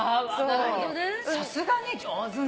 さすがね上手ね。